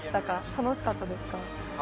楽しかったですか？